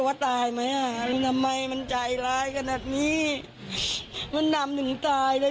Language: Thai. ว่าตายไหมอ่ะทำไมมันใจร้ายขนาดนี้มันนำถึงตายเลย